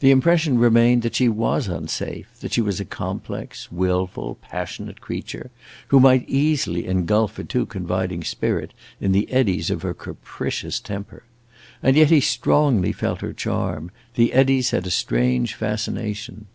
The impression remained that she was unsafe; that she was a complex, willful, passionate creature, who might easily engulf a too confiding spirit in the eddies of her capricious temper. And yet he strongly felt her charm; the eddies had a strange fascination!